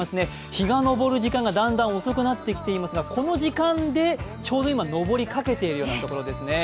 日が上る時間がだんだん遅くなってきていますが、この時間でちょうど今、上りかけているところですね。